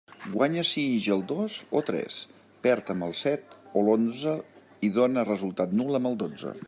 Guanya si ix el dos o tres, perd amb el set o l'onze i dóna resultat nul amb el dotze.